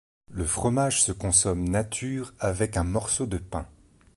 Le fromage se consomme nature avec un morceau de pain.